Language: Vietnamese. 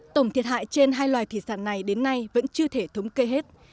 tổng thiệt hại trên hai loài thủy sản này đến nay vẫn chưa thể thống kê hết